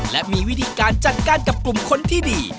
และมีวิธีการจัดการกับกลุ่มคนที่ดี